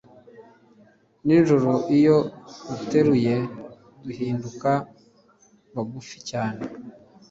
nijoro iyo duteruye duhinduka bagufi cyane